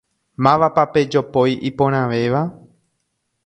Mávapa pe jopói iporãvéva?